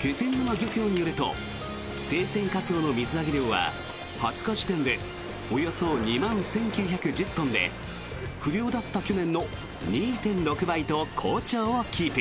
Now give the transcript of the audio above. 気仙沼漁協によると生鮮カツオの水揚げ量は２０日時点でおよそ２万１９１０トンで不漁だった去年の２．６倍と好調をキープ。